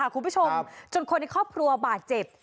คุณผู้ชมจนคนในครอบครัวบาดเจ็บ